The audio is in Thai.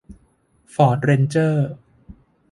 ฟอร์ดเรนเจอร์